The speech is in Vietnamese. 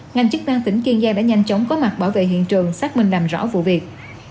ngành chức năng tỉnh kiên giang đã nhanh chóng có mặt bảo vệ hiện trường xác minh làm rõ vụ việc